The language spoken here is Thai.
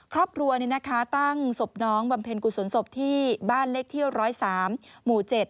ครอบครัวตั้งศพน้องบำเพ็ญกุศลศพที่บ้านเลขที่๑๐๓หมู่๗